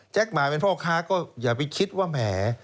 หมายเป็นพ่อค้าก็อย่าไปคิดว่าแหม